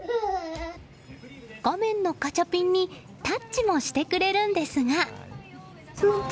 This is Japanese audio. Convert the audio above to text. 画面のガチャピンにタッチをしてくれるんです。